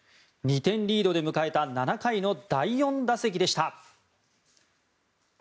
２点リードで迎えた７回の第４打席でした。